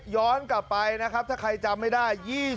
ย้อนกลับไปนะครับถ้าใครจำไม่ได้